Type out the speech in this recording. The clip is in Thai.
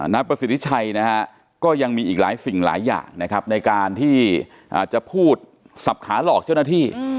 นายประสิทธิชัยนะฮะก็ยังมีอีกหลายสิ่งหลายอย่างนะครับในการที่จะพูดสับขาหลอกเจ้าหน้าที่